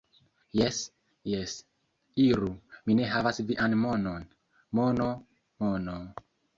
Jes, jes. Iru, mi ne havas vian monon. Mono, mono..